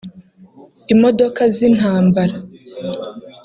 imodoka z’intabara